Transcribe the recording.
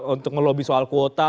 untuk melobi soal kuota